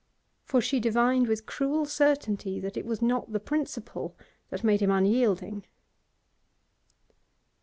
For she divined with cruel certainty that it was not the principle that made him unyielding.